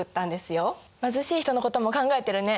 貧しい人のことも考えてるね。